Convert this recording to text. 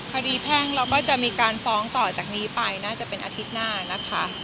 แพ่งเราก็จะมีการฟ้องต่อจากนี้ไปน่าจะเป็นอาทิตย์หน้านะคะ